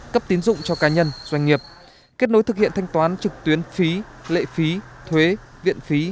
cấp tiến dụng cho cá nhân doanh nghiệp kết nối thực hiện thanh toán trực tuyến phí lệ phí thuế viện phí